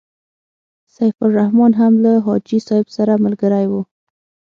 سیف الرحمن هم له حاجي صاحب سره ملګری وو.